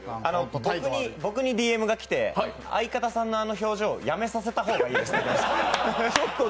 僕にＤＭが来て相方さんのあの表情やめさせた方がいいですよと。